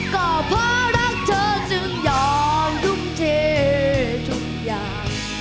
ก็เพราะรักเธอจึงยอมทุ่มเททุกอย่าง